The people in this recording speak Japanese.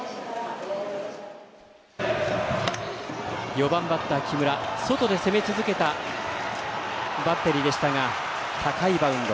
４番バッター、木村外で攻め続けたバッテリーでしたが高いバウンド。